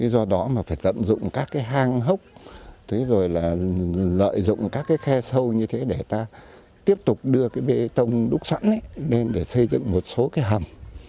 do đó mà phải tận dụng các cái hang hốc thế rồi là lợi dụng các cái khe sâu như thế để ta tiếp tục đưa cái bê tông đúc sẵn lên để xây dựng một số cái hầm